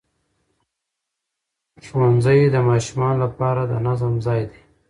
ښوونځی د ماشومانو لپاره د نظم ځای دی